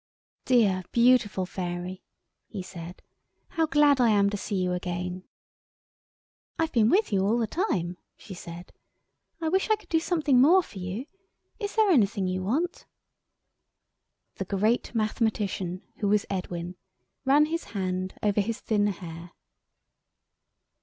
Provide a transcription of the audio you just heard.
"Dear, beautiful Fairy," he said, "how glad I am to see you again." "I've been with you all the time," she said. "I wish I could do something more for you. Is there anything you want?" The great Mathematician who was Edwin ran his hand over his thin hair.